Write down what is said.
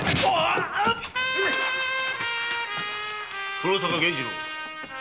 黒坂源次郎。